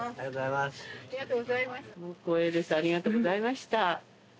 ありがとうございます。